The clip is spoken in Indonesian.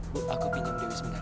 bu aku pinjam diwi sebentar ya